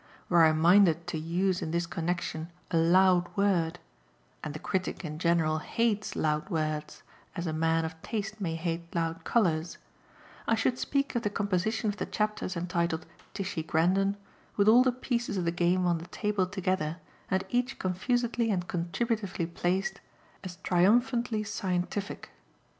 Were I minded to use in this connexion a "loud" word and the critic in general hates loud words as a man of taste may hate loud colours I should speak of the composition of the chapters entitled "Tishy Grendon," with all the pieces of the game on the table together and each unconfusedly and contributively placed, as triumphantly scientific.